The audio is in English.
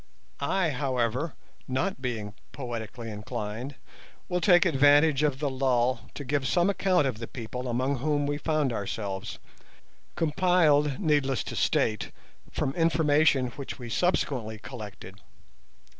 I, however, not being poetically inclined, will take advantage of the lull to give some account of the people among whom we found ourselves, compiled, needless to state, from information which we subsequently collected.